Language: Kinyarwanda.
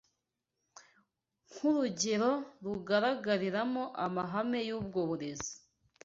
Nk’urugero rugaragariramo amahame y’ubwo burezi